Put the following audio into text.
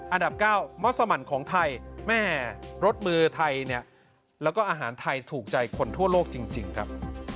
อันดับ๙มัสมันของไทยแม่รสมือไทยเนี่ยแล้วก็อาหารไทยถูกใจคนทั่วโลกจริงครับ